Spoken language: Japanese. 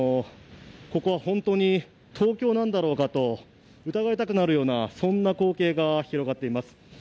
ここは本当に東京なんだろうかと疑いたくなるような、そんな光景が広がっています。